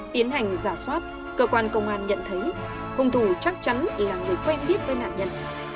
tiến hành giả soát cơ quan công an nhận thấy hung thủ chắc chắn là người quen biết với nạn nhân